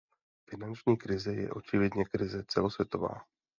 Finanční krize je očividně krize celosvětová.